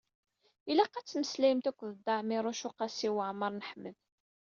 Ilaq ad temmeslayemt akked Dda Ɛmiiruc u Qasi Waɛmer n Ḥmed.